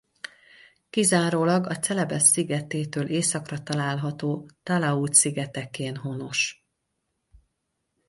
Kizárólag a Celebesz szigetétől északra található Talaud-szigetekén honos.